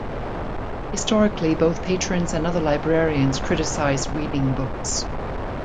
Historically, both patrons and other librarians criticize weeding books.